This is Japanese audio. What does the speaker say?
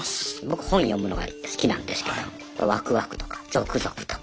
僕本を読むのが好きなんですけどワクワクとかゾクゾクとか。